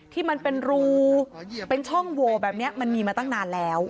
ที่มันเป็นรูเป็นช่องโหวแบบนี้มันมีมาตั้งนานแล้ว